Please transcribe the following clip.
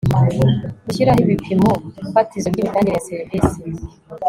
gushyiraho ibipimo fatizo by imitangire ya serivisi